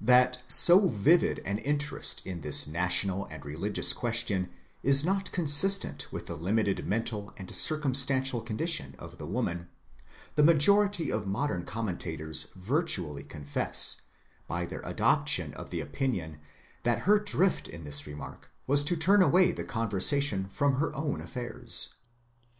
That so vivid an interest in this national and religious question is not consistent with the limited mental and circumstantial condition of the woman, the majority of modern com mentators virtually confess, by their adoption of the opinion, that her drift in this remark was to turn away the conversation from her own affairs.